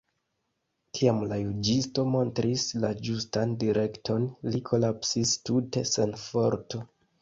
Kiam la juĝisto montris la ĝustan direkton, li kolapsis tute sen forto.